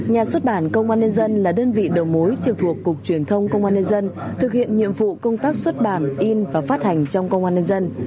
nhà xuất bản công an nhân dân là đơn vị đầu mối trực thuộc cục truyền thông công an nhân dân thực hiện nhiệm vụ công tác xuất bản in và phát hành trong công an nhân dân